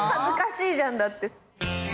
恥ずかしいじゃんだって。